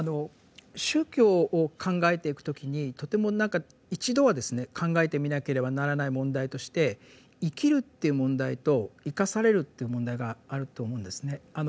宗教を考えていく時にとても何か一度は考えてみなければならない問題として「生きる」という問題と「生かされる」という問題があると思うんですね。